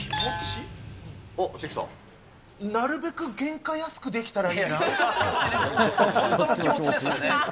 おっ、関さん。なるべく原価安くできたらい本当の気持ちですね。